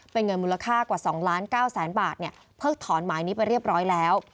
เป็นเงินมูลค่ากว่า๒ล้าน๙แสนบาทเพิกถอนหมายนี้ไปเรียบร้อยแล้ว